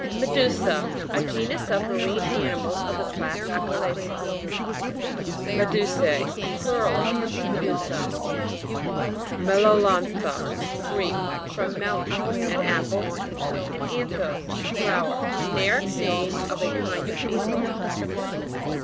MEDU'SA. A genus of marine ani mals of the class Acale'pha. MEDU'S^E. Plural of Medusa. MELO LON'THA. Greek. From me lon, an apple, and anthos, flower. Generic name of a kind of beetle.